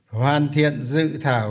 hoàn thiện dự thảo